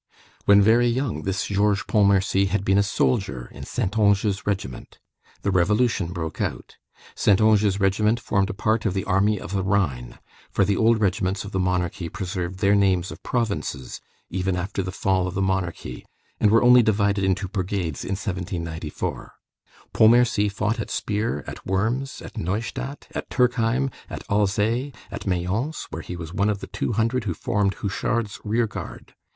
When very young, this Georges Pontmercy had been a soldier in Saintonge's regiment. The revolution broke out. Saintonge's regiment formed a part of the army of the Rhine; for the old regiments of the monarchy preserved their names of provinces even after the fall of the monarchy, and were only divided into brigades in 1794. Pontmercy fought at Spire, at Worms, at Neustadt, at Turkheim, at Alzey, at Mayence, where he was one of the two hundred who formed Houchard's rearguard.